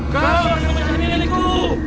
kau akan dimasukin dari ku